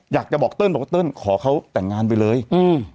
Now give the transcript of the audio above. อยากจะบอกเติ้ลบอกว่าเติ้ลขอเขาแต่งงานไปเลยอืม